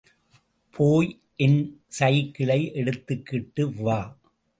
போய் என் சைக்கிளை எடுத்துகிட்டு வா!